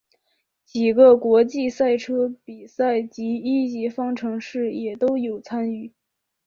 几个国际赛车比赛及一级方程式也都有参与。